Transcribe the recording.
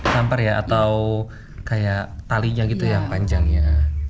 sumper ya atau kayak talinya gitu yang panjangnya